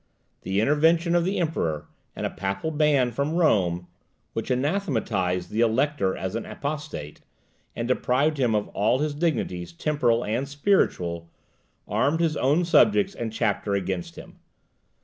The intervention of the Emperor, and a papal ban from Rome, which anathematized the elector as an apostate, and deprived him of all his dignities, temporal and spiritual, armed his own subjects and chapter against him.